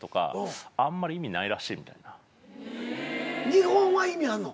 日本は意味あんの？